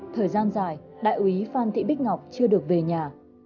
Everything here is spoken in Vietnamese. thời gian dài đại úy phan thị bích ngọc chưa được về nhà